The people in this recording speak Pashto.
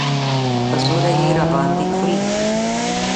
په زوره یې راباندې خورې.